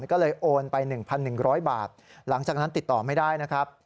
ก็เลยโอนไป๑๑๐๐บาทหลังจากนั้นติดต่อไม่ได้นะครับ